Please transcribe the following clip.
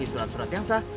dengan surat surat yang sah